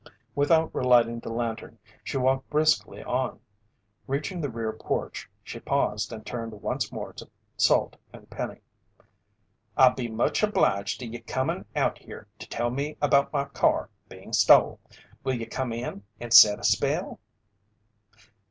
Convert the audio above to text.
Without relighting the lantern, she walked briskly on. Reaching the rear porch, she paused and turned once more to Salt and Penny. "I be much obliged to ye comin' out here to tell me about my car being stole. Will ye come in and set a spell?"